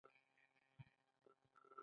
د هلمند په نادعلي کې د ګچ کان شته.